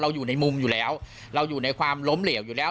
อยู่ในมุมอยู่แล้วเราอยู่ในความล้มเหลวอยู่แล้ว